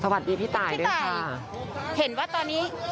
สวัสดีพี่ตายด้วยค่ะโอเคบ๊อบค่ะพี่ตาย